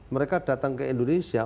mereka datang ke indonesia